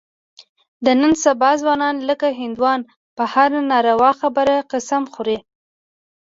د نن سبا ځوانان لکه هندوان په هره ناروا خبره قسم خوري.